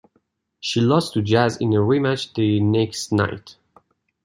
She lost to Jazz in a rematch the next night.